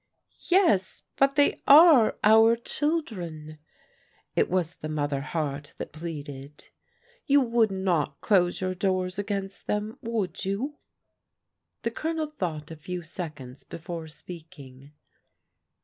" Yes, but they are our children." It was the mother heart that pleaded. " You would not close your doors against them, would you ?" The Colonel thought a few seconds before speaking.